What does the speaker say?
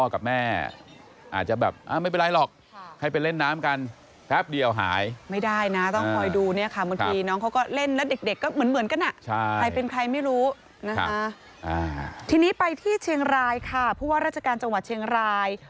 ใครเป็นใครไม่รู้นะฮะทีนี้ไปที่เชียงรายค่ะเพราะว่าราชการจังหวัดเชียงราย